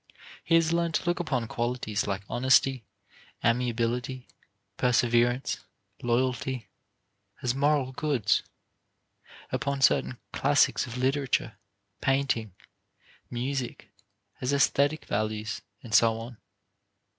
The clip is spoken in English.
He has learned to look upon qualities like honesty, amiability, perseverance, loyalty, as moral goods; upon certain classics of literature, painting, music, as aesthetic values, and so on.